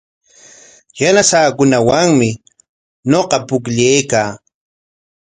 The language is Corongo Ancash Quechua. Yanasaakunawanmi ñuqa pukllaykaa.